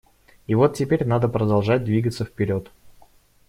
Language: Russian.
И вот теперь надо продолжать двигаться вперед.